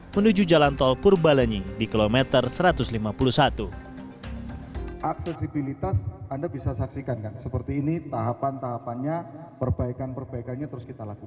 menuju jalan tol purbalenyi di kilometer satu ratus lima puluh satu